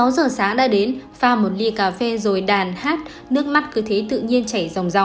sáu giờ sáng đã đến pha một ly cà phê rồi đàn hát nước mắt cứ thế tự nhiên chảy dòng rau